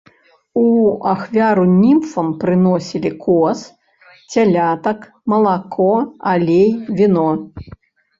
У ахвяру німфам прыносілі коз, цялятак, малако, алей, віно.